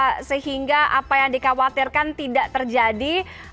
digodok bersama sehingga apa yang dikhawatirkan tidak terjadi